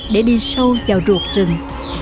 để đi sâu vào ruột rừng